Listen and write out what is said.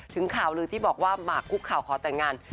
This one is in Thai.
ข่าวลือที่บอกว่าหมากคุกข่าวขอแต่งงาน